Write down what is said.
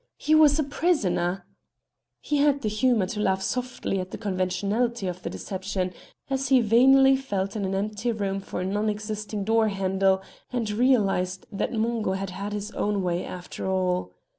He was a prisoner! He had the humour to laugh softly at the conventionality of the deception as he vainly felt in an empty room for a non existing doorhandle, and realised that Mungo had had his own way after all.